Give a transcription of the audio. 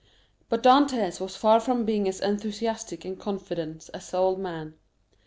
But Dantès was far from being as enthusiastic and confident as the old man.